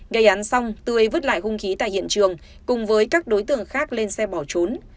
gây án xong tươi vứt lại hung khí tại hiện trường cùng với các đối tượng khác lên xe bỏ trốn